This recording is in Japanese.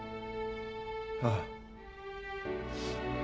ああ。